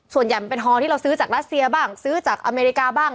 มันเป็นทองที่เราซื้อจากรัสเซียบ้างซื้อจากอเมริกาบ้าง